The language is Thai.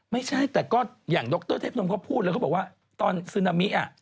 ไม่ใช่แต่ก็อย่างดรเทพนมเขาพูดแล้วเขาบอกว่าตอนซึนามิอ่ะ